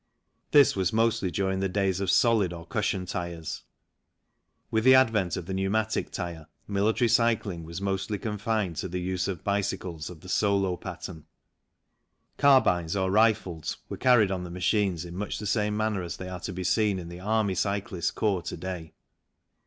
This was mostly during the days of solid or cushion 87 7 (1466H) 88 THE CYCLE INDUSTRY tyres ; with the advent of the pneumatic tyre military cycling was mostly confined to the use of bicycles of the solo pattern. Carbines or rifles were carried on the machines in much the same manner as they are to be seen in the Army Cyclists Corps to day.